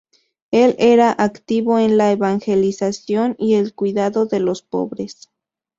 Él era activo en la evangelización y el cuidado de los pobres.